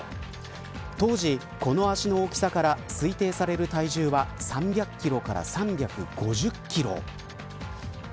当時、この足の大きさから推定される体重は３００キロから３５０キロ。